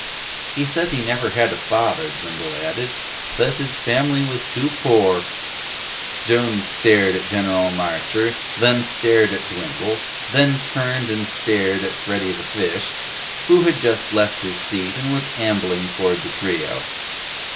"He says he never had a father," Dwindle added. "Says his family was too poor." Jones stared at General Marcher, then stared at Dwindle, then turned and stared at Freddy the Fish, who had just left his seat and was ambling toward the trio.